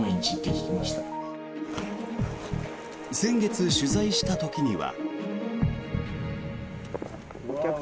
先月、取材した時には。